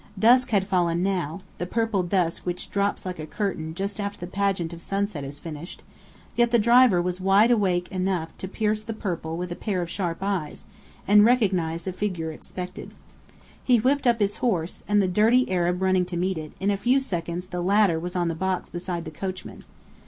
Dusk had fallen now, the purple dusk which drops like a curtain just after the pageant of sunset is finished, yet the driver was wide enough awake to pierce the purple with a pair of sharp eyes, and recognize a figure expected. He whipped up his horse, and the dirty Arab running to meet it, in a few seconds the latter was on the box beside the coachman.